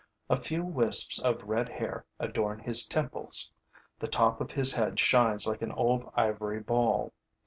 A few wisps of red hair adorn his temples; the top of his head shines like an old ivory ball.